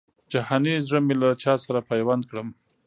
جهاني زړه مي له چا سره پیوند کړم